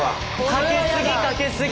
かけ過ぎかけ過ぎ。